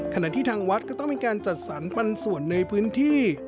ขณะที่ทางวัดก็ต้องมีการจัดสรรปันส่วนในพื้นที่